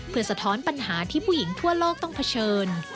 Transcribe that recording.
เพื่อสะท้อนปัญหาที่ผู้หญิงทั่วโลกต้องเผชิญ